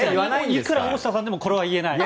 いくら大下さんでもこれは言えない。